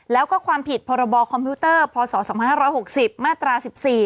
แล้วก็ความผิดพรบคอมพิวเตอร์พศ๒๕๖๐มาตรา๑๔